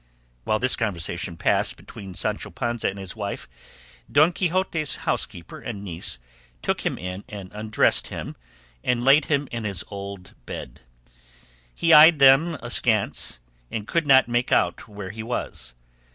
While this conversation passed between Sancho Panza and his wife, Don Quixote's housekeeper and niece took him in and undressed him and laid him in his old bed. He eyed them askance, and could not make out where he was.